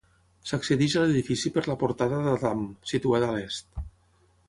S'accedeix a l'edifici per la Portada d'Adam, situada a l'est.